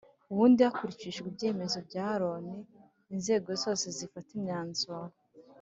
Ubundi hakurikijwe ibyemezo bya Loni, inzego zose zifata imyanzuro